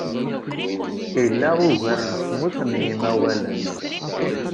Ila ugar n semmus n yimawalen.